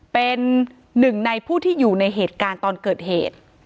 เป็นหนึ่งในผู้ที่อยู่ในเหตุการณ์ตอนเกิดเหตุ